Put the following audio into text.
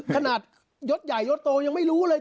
ขนาดยศใหญ่ยศโตยังไม่รู้เลย